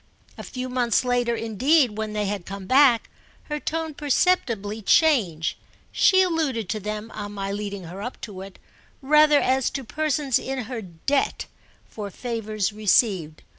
A few months later indeed, when they had come back, her tone perceptibly changed: she alluded to them, on my leading her up to it, rather as to persons in her debt for favours received.